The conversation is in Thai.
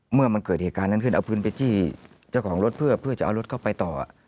เมื่อมันเกิดเหตุการณ์นั้นขึ้นเอาปืนไปจี้เจ้าของรถเพื่อจะเอารถเข้าไปต่อ